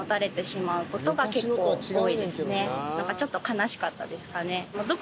ちょっと悲しかったですかね。